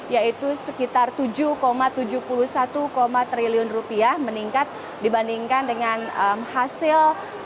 yaitu sekitar tujuh tujuh puluh satu triliun rupiah meningkat dibandingkan dengan hasil